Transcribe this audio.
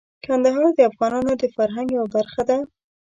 کندهار د افغانانو د فرهنګ یوه برخه ده.